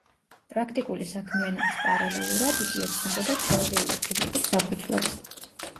პრაქტიკული საქმიანობის პარალელურად იგი ეცნობოდა თეორიული ფიზიკის საფუძვლებს.